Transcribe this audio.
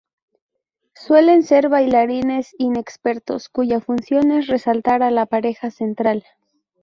Suelen ser bailarines inexpertos, cuya función es resaltar a la pareja central.